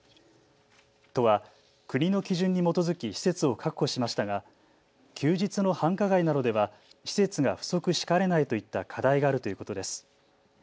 都は国の基準に基づき施設を確保しましたが休日の繁華街などでは施設が不足しかねないといった課題があるということです。